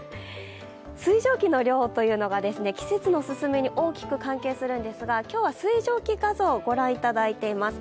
水蒸気の量が季節の進みに大きく関係するんですが今日は水蒸気画像を御覧いただいています。